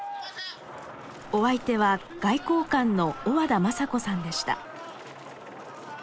お相手は外交官の小和田雅子さんでした。